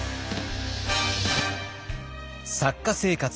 作家生活